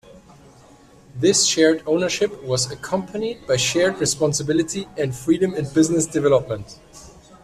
This shared ownership was accompanied by shared responsibility and freedom in business development.